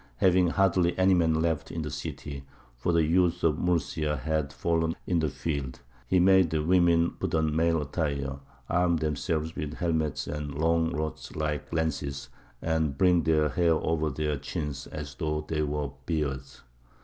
Having hardly any men left in the city, for the youth of Murcia had fallen in the field, he made the women put on male attire, arm themselves with helmets and long rods like lances, and bring their hair over their chins as though they wore beards.